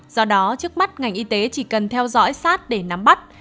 do đó trước mắt ngành y tế chỉ cần theo dõi sát để nắm bắt